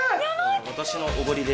私のおごりで。